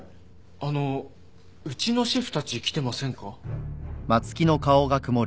あのうちのシェフたち来てませんか？